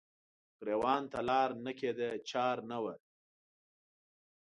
ګریوان ته لار نه کیده چار نه وه